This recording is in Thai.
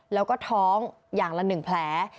แล้วก็ท้องอย่างละ๑แผล